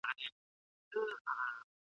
ايا طبيعي منابع بايد وساتل سي؟